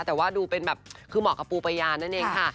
แต่ว่าดูเป็นแบบคือเหมาะกับปูประยานั่นเองค่ะ